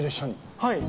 はい。